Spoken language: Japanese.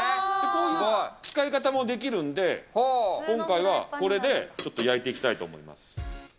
こういう使い方もできるんで、今回は、これでちょっと焼いていきたいと思います。